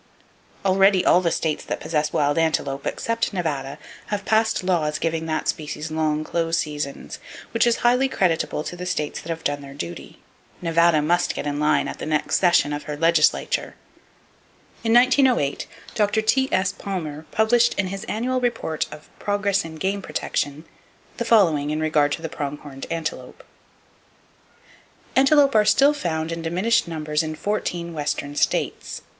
Already all the states that possess wild antelope, except Nevada, have passed laws giving that species long close seasons; which is highly creditable to the states that have done their duty. Nevada must get in line at the next session of her legislature! In 1908, Dr. T.S. Palmer published in his annual report of "Progress in Game Protection" the following in regard to the prong horned antelope: "Antelope are still found in diminished numbers in fourteen western states.